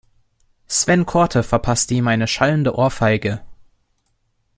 Sven Korte verpasste ihm eine schallende Ohrfeige.